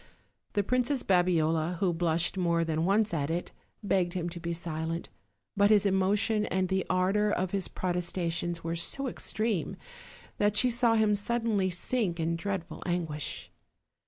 The Princess Babiola, who blushed more than once at it, begged him to be silent, but his emotion and the ardor of his protestations were so extreme that she saw him suddenly sink in dreadful anguish.